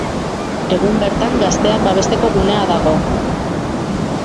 Egun bertan gazteak babesteko gunea dago.